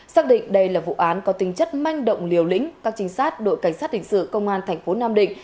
xác định đây là vụ án có tính chất manh động liều lĩnh các trinh sát đội cảnh sát hình sự công an thành phố nam định